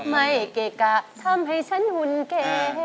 มาฟังอินโทรเพลงที่๑๐